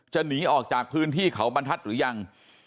หนีออกจากพื้นที่เขาบรรทัศน์หรือยัง